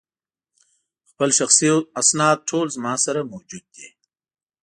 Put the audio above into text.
خپل شخصي اسناد ټول زما سره موجود دي.